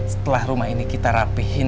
setelah rumah ini kita rapihin